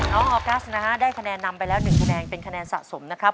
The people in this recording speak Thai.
น้องอกัสได้คะแนนน้ำไปแล้ว๑แบบเป็นคะแนนสะสมนะครับ